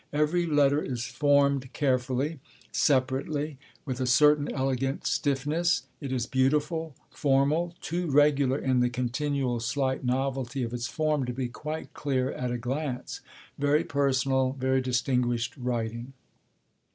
Every letter is formed carefully, separately, with a certain elegant stiffness; it is beautiful, formal, too regular in the 'continual slight novelty' of its form to be quite clear at a glance: very personal, very distinguished writing.